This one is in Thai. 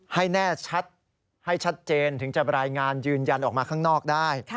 ให้แน่ชัดให้ชัดเจนถึงจะรายงานยืนยันออกมาข้างนอกได้